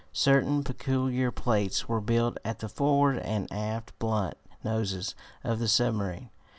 Certain peculiar plates were built at the forward and aft blunt noses of the submarine.